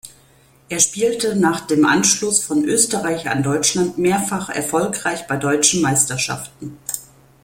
Er spielte nach dem Anschluss von Österreich an Deutschland mehrfach erfolgreich bei deutschen Meisterschaften.